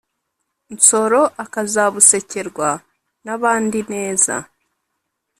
nsoro akazabusekerwa nabandi neza